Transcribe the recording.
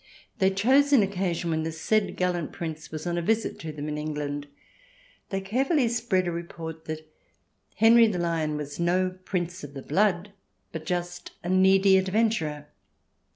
They chose an occasion when the said gallant Prince was on a visit to them in England. They care fully spread a report that Henry the Lion was no Prince of the blood, but just a needy adventurer.